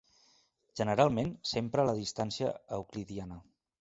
Generalment s'empra la distància euclidiana.